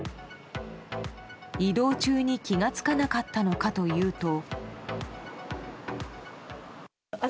移動中に気が付かなかったのかというと。